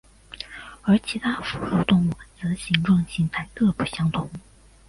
而其他哺乳动物则形状形态各不相同。